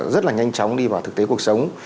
rất là nhanh chóng đi vào thực tế cuộc sống